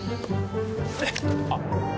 あっ。